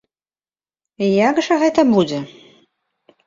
Як жа гэта будзе?